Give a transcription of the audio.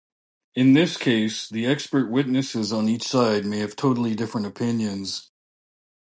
In this case, the expert witnesses on each side may have totally different opinions.